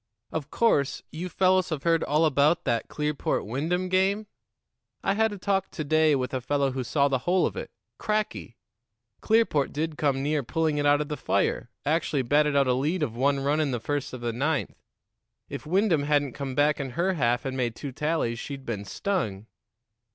"Of course, you fellows have heard all about that Clearport Wyndham game? I had a talk to day with a fellow who saw the whole of it. Cracky! Clearport did come near pulling it out of the fire actually batted out a lead of one run in the first of the ninth. If Wyndham hadn't come back in her half and made two tallies, she'd been stung."